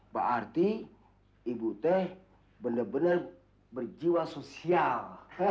berarti ibu teh benar benar berjiwa sosial